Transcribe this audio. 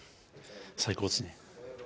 最高ですね。